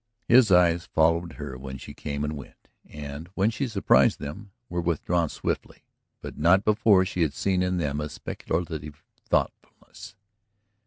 His eyes followed her when she came and went, and, when she surprised them, were withdrawn swiftly, but not before she had seen in them a speculative thoughtfulness.